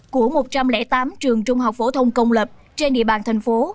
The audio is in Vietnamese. của một trăm linh tám trường trung học phổ thông công lập trên địa bàn thành phố